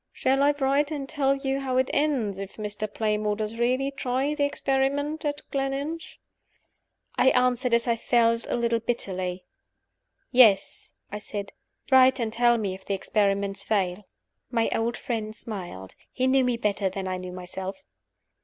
"Shall I write and tell you how it ends, if Mr. Playmore does really try the experiment at Gleninch?" I answered, as I felt, a little bitterly. "Yes," I said "Write and tell me if the experiment fail." My old friend smiled. He knew me better than I knew myself.